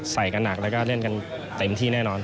ใส่กันหนักแล้วก็เล่นกันเต็มที่แน่นอน